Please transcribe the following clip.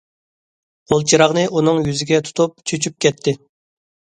قولچىراغنى ئۇنىڭ يۈزىگە تۇتۇپ چۆچۈپ كەتتى.